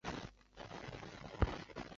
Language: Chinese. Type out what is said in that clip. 砗磲蛤属为砗磲亚科之下两个属之一。